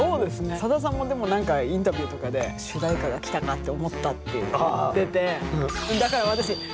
さださんもでも何かインタビューとかで主題歌が来たかって思ったって言っててだから私まずいなと思って。